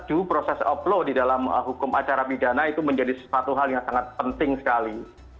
due proses upload di dalam hukum acara pidana itu menjadi suatu hal yang sangat penting sekali